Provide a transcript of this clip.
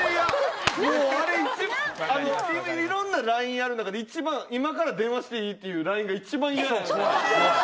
いろんなＬＩＮＥある中で一番「今から電話していい？」っていうＬＩＮＥが一番嫌やよな？